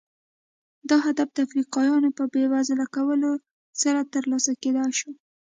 دا هدف د افریقایانو په بېوزله کولو سره ترلاسه کېدای شو.